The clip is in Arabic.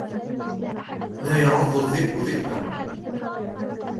لا يعض الذئب ذئبًا.